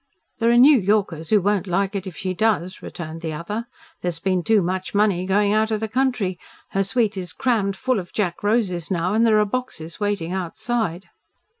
"There are New Yorkers who won't like it if she does," returned the other. "There's been too much money going out of the country. Her suite is crammed full of Jack roses, now, and there are boxes waiting outside."